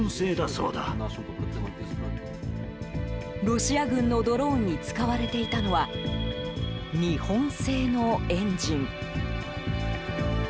ロシア軍のドローンに使われていたのは日本製のエンジン。